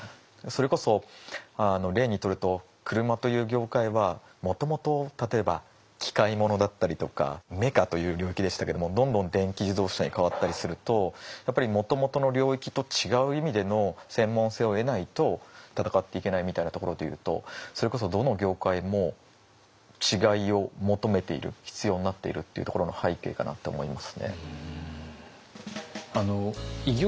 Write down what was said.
それこそ例にとると車という業界はもともと例えば機械物だったりとかメカという領域でしたけどもどんどん電気自動車に変わったりするとやっぱりもともとの領域と違う意味での専門性を得ないと戦っていけないみたいなところでいうとそれこそどの業界も違いを求めている必要になっているというところの背景かなって思いますね。